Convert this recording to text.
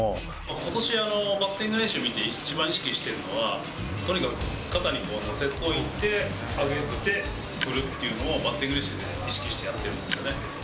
ことし、バッティング練習見て、一番意識してるのは、とにかく肩にのせといて、上げて、振るっていうのを、バッティング練習で意識してやってるんですよね。